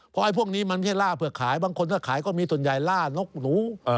เพราะไอ้พวกนี้มันไม่ใช่ล่าเผื่อขายบางคนถ้าขายก็มีส่วนใหญ่ล่านกหนู